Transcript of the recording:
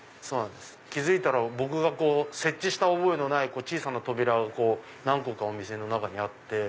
気付いたら僕が設置した覚えのない小さな扉が何個かお店の中にあって。